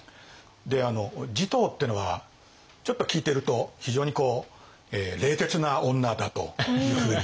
持統ってのはちょっと聞いてると非常にこう冷徹な女だというふうに。